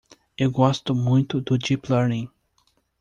Eu gosto muito do Deep Learning.